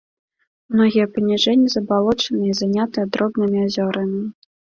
Многія паніжэнні забалочаныя і занятыя дробнымі азёрамі.